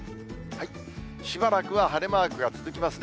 しばらくは晴れマークが続きますね。